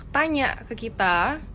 tanya ke kita